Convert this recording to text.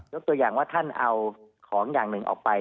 ตัวอย่างว่าท่านเอาของอย่างหนึ่งออกไป